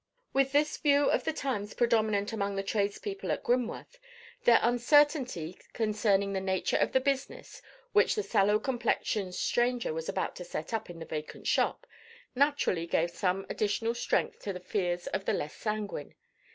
With this view of the times predominant among the tradespeople at Grimworth, their uncertainty concerning the nature of the business which the sallow complexioned stranger was about to set up in the vacant shop, naturally gave some additional strength to the fears of the less sanguine.